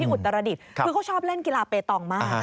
คือเขาชอบเล่นกีฬาเปตองมาก